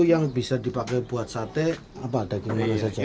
yang bisa dipakai buat sate apa daging mana saja